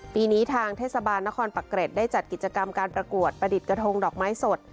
ปีนี้ทางเทศบาลนครปะเกร็ดได้จัดกิจกรรมการประกวดประดิษฐ์กระทงดอกไม้สด